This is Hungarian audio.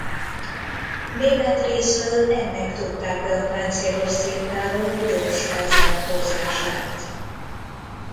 Német részről ennek tudták be a páncélos cirkálók gyors felzárkózását.